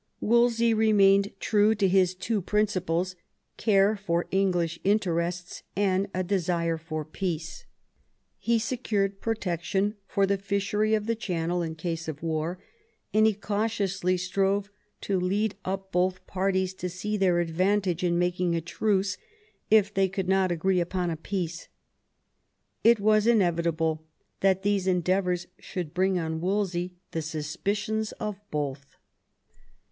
Wolsey remained true to his two principles : care for English interests, and a desire for peace. He secured protection for the fishery of the Channel in case of war, and he cautiously strove to lead up both parties to see their advantage in making a truce if they could not agree upon a peace. It was inevitable that these endeavours should bring on Wolsey the suspicions of both.